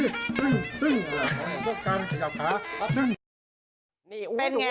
จากกลางต้นขา